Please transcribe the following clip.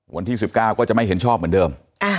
วันที่๑๙ก็จะไม่เห็นชอบเหมือนเดิม